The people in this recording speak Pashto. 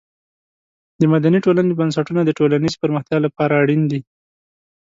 د مدني ټولنې بنسټونه د ټولنیزې پرمختیا لپاره اړین دي.